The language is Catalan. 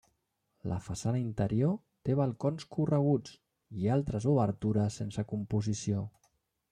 La façana interior té balcons correguts, i altres obertures sense composició.